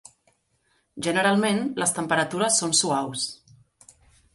Generalment, les temperatures són suaus.